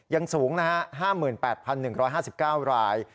ยังสูง๕๘๑๕๙ราย